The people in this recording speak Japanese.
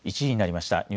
１時になりました。